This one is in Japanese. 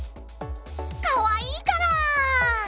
かわいいから！